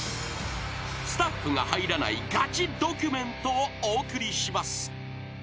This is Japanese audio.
［スタッフが入らないガチドキュメントをお送りします］